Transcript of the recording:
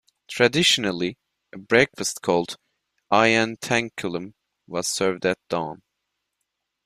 Traditionally, a breakfast called "ientaculum" was served at dawn.